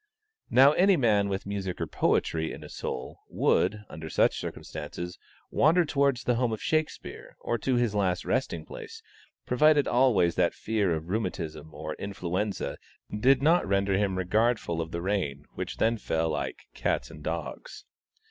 Now any man with music or poetry in his soul, would, under such circumstances, wander towards the home of Shakspeare, or to his last resting place; provided always that fear of rheumatism, or influenza, did not render him regardful of the rain which then fell "like cats and dogs."